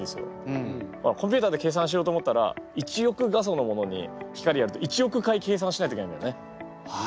コンピューターで計算しようと思ったら１億画素のものに光やると１億回計算しないといけないんだよね。